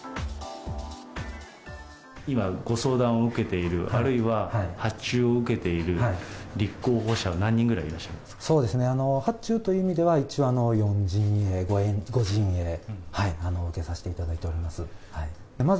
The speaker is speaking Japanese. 今、ご相談を受けている、あるいは発注を受けている立候補者は何人ぐらいいらっしゃいますそうですね、発注という意味では一応、４陣営、５陣営、受けさせていただいております。